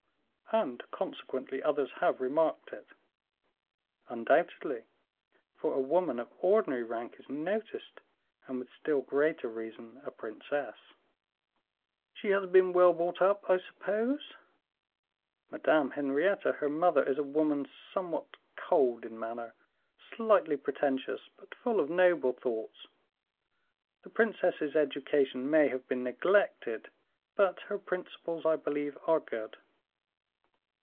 "And consequently others have remarked it." "Undoubtedly, for a woman of ordinary rank is noticed and with still greater reason a princess." "She has been well brought up, I suppose?" "Madame Henriette, her mother, is a woman somewhat cold in manner, slightly pretentious, but full of noble thoughts. The princess's education may have been neglected, but her principles, I believe, are good.